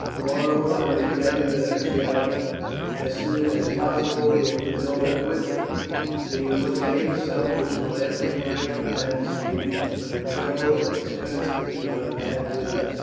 Moreover, I may tell you that I shall as soon as possible get Boduoc with me. So you must name a sum which will amply recompense you for the trouble and expense that you have had with us."